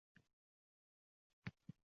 Bola ona sutiga to‘ysin.